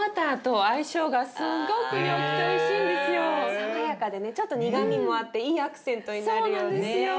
爽やかでねちょっと苦みもあっていいアクセントになるよね。